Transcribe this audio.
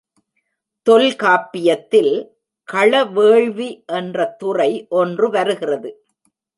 தொல்காப்பியத்தில் களவேள்வி என்ற துறை ஒன்று வருகிறது.